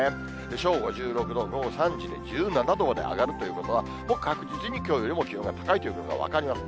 正午、１６度、午後３時で１７度まで上がるということは、もう確実にきょうよりも気温が高いということが分かります。